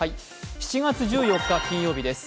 ７月１４日金曜日です。